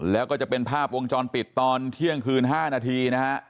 แล้วก็จะเป็นภาพวงจรปิดตอนเที่ยงคืน๕นาทีนะฮะ